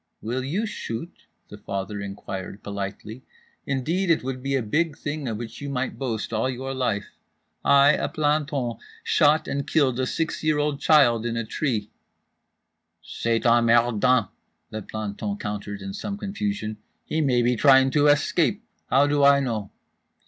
"Will you shoot?" the father inquired politely. "Indeed it would be a big thing of which you might boast all your life: I, a planton, shot and killed a six year old child in a tree."—"C'est emmerdant," the planton countered, in some confusion—"he may be trying to escape. How do I know?"